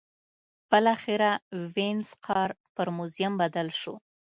بالاخره وینز ښار پر موزیم بدل شو.